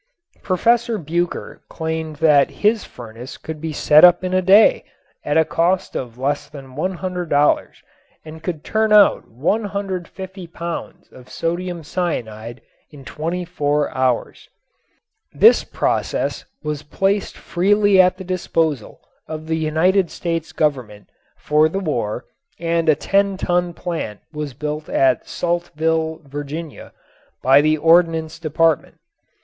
Professor Bucher claimed that his furnace could be set up in a day at a cost of less than $100 and could turn out 150 pounds of sodium cyanide in twenty four hours. This process was placed freely at the disposal of the United States Government for the war and a 10 ton plant was built at Saltville, Va., by the Ordnance Department.